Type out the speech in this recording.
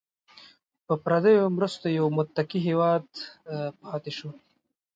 په پردیو مرستو یو متکي هیواد پاتې شوی.